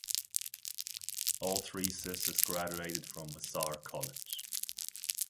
All three sisters graduated from Vassar College.